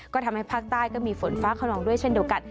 ก็ทำให้ภาคใต้ก็มีฝนฟ้าขนองด้วยเช่นเดียวกัน